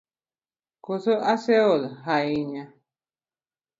Koro ase ol hahinya .